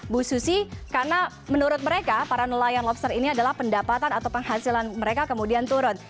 bu susi karena menurut mereka para nelayan lobster ini adalah pendapatan atau penghasilan mereka kemudian turun